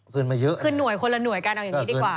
คือหน่วยคนละหน่วยกันเอาอย่างนี้ดีกว่า